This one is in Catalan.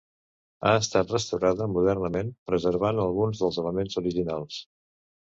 Ha estat restaurada modernament preservant alguns dels elements originals.